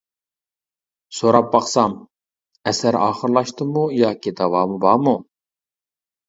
سوراپ باقسام : ئەسەر ئاخىرلاشتىمۇ ياكى داۋامى بارمۇ!